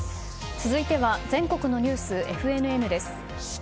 続いては全国のニュースＦＮＮです。